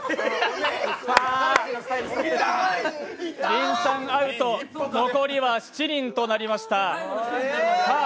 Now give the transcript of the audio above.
りんさん、アウト、残りは７人となりました。